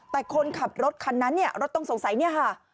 แต่คนขับรถคันนั้นเนี่ยรถต้องสงสัยเนี่ยค่ะ